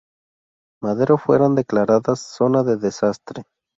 Madero fueran declaradas Zona de Desastre.